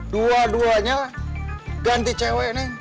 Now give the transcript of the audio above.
dua duanya ganti cewek nih